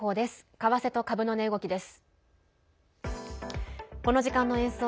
為替と株の値動きです。